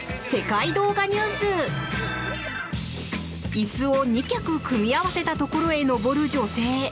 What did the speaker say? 椅子を２脚組み合わせたところへ上る女性。